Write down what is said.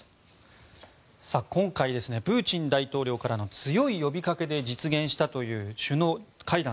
今回プーチン大統領からの強い呼びかけで実現したという首脳会談。